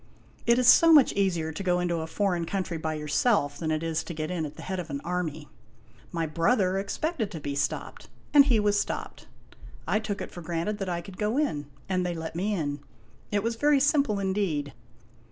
It is so much easier to go into a foreign country by yourself than it is to get in at the head of an army. My brother expected to be stopped, and he was stopped. I took it for granted that I could go in, and they let me in. It was very simple indeed.